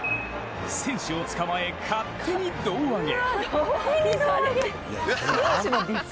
選手を捕まえ勝手に胴上げ。